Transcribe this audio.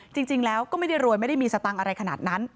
จริงแล้วก็ไม่ได้รวยไม่ได้มีสตังค์อะไรขนาดนั้น